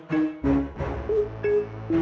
jajan baso yuk